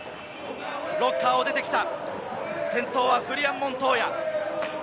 ロッカーを出てきた、先頭はフリアン・モントーヤ。